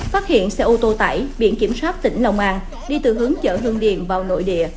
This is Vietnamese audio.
phát hiện xe ô tô tải biển kiểm soát tỉnh lòng an đi từ hướng chợ hương điền vào nội địa